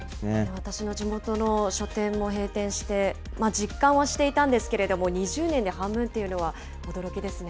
私の地元の書店も閉店して、実感はしていたんですけれども、２０年で半分っていうのは、驚きですね。